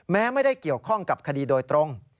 ไม่ได้เกี่ยวข้องกับคดีโดยตรง